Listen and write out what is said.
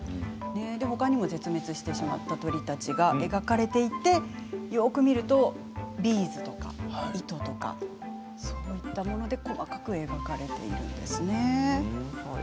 ほかにも絶滅してしまった鳥たちが描かれていてよく見るとビーズとか糸とかそういったもので細かく描かれているんですね。